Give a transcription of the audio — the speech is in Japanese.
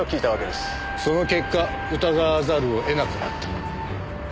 その結果疑わざるを得なくなった。